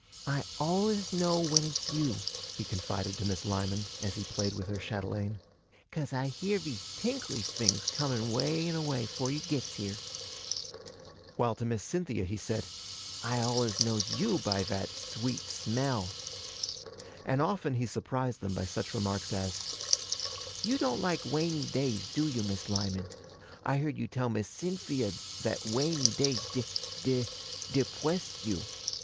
'I al'us know when it's you,' he confided to Miss Lyman, as he played with her chatelaine, ''cause I hear vese tinkly fings coming way and away, 'fore you gits here.' While to Miss Cynthia he said, 'I al'us knows you by vat sweet smell.' And often he surprised them by such remarks as 'You don't like wainy days, do you, Miss Lyman? I heard you tell Miss Cyn fee ia vat wainy days de de depwessed you.'